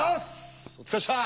お疲れでした！